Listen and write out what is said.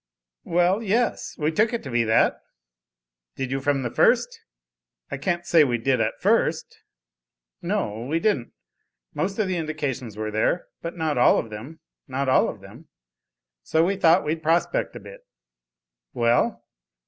"Well, yes. We took it to be that" "Did you from the first?" "I can't say we did at first. No, we didn't. Most of the indications were there, but not all of them, not all of them. So we thought we'd prospect a bit." "Well?"